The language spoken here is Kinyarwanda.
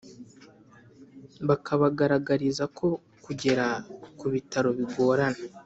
bakabagaragariza ko kugera ku bitaro bigorana.